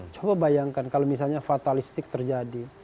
coba bayangkan kalau misalnya fatalistik terjadi